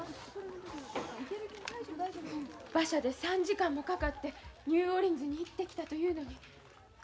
馬車で３時間もかかってニューオーリンズに行ってきたというのに。